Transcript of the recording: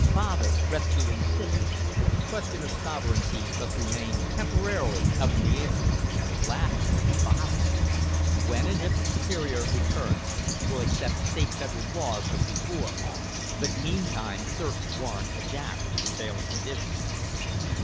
(Father, rescuing Civek) Q of sovereignty must remain temporarily up in the air. Laughter (Father's). When & if Spr returns wil acpt state fed laws as b4 but meantime circs warrant adapt to prevailing conditions.